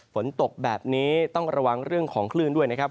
ฝนตกแบบนี้ต้องระวังเรื่องของคลื่นด้วยนะครับ